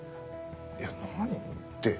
「いや何に？」って。